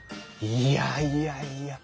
いやいやいや。